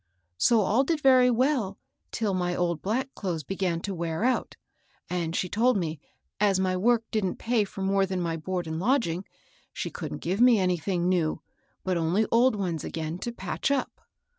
So all did very well till my old black clothes began to wear out, and she told me, as my work didn't pay for more than my board and lodging, she couldn't give me anything new, but only old ones again to patch up.